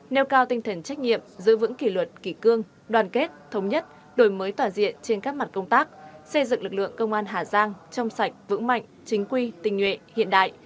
nêu cao tinh thần trách nhiệm giữ vững kỷ luật kỷ cương đoàn kết thống nhất đổi mới tỏa diện trên các mặt công tác xây dựng lực lượng công an hà giang trong sạch vững mạnh chính quy tình nguyện hiện đại